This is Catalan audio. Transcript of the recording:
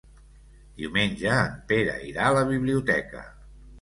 Diumenge en Pere irà a la biblioteca.